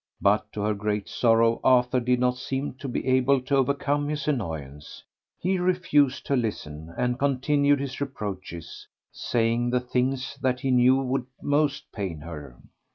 But to her great sorrow Arthur did not seem to be able to overcome his annoyance. He refused to listen, and continued his reproaches, saying the things that he knew would most pain her.